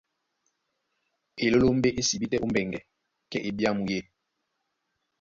Elólómbé é sibí tɛ́ ó mbɛŋgɛ, kɛ́ ebyámu yê.